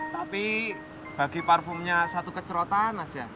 tapi bagi parfumnya satu kecerotan aja